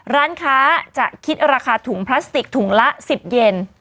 ร้านค้าจะคิดราคาถุงพลาสติกถุงละ๑๐เย็น